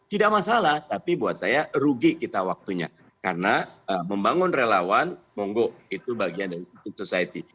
tidak masalah tapi buat saya rugi kita waktunya karena membangun relawan monggo itu bagian dari civil society